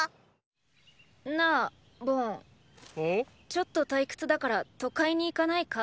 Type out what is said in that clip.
ちょっと退屈だから都会に行かないか？